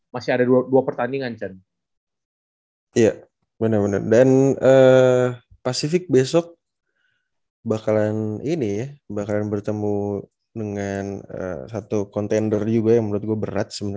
masih ada dua pertandingan